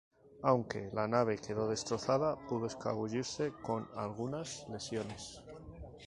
Aunque la nave quedó destrozada, pudo escabullirse con algunas lesiones.